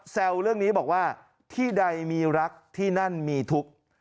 แซวเรื่องนี้บอกว่าที่ใดมีรักที่นั่นมีทุกข์